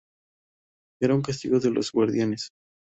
Era un castigo de los guardianes.